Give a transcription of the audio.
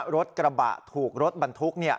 รถกระบะถูกรถบรรทุก